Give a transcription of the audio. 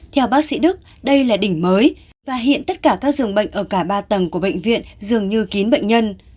theo bác sĩ đức đây là đỉnh mới và hiện tất cả các dường bệnh ở cả ba tầng của bệnh viện dường như kín bệnh nhân